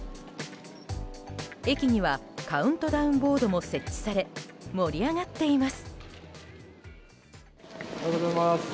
駅にはカウントダウンボードも設置され盛り上がっています。